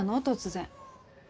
突然。